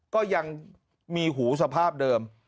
ก็ยังมีหูสภาพเดิม